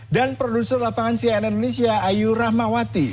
dan produser lapangan cna indonesia ayu rahmawati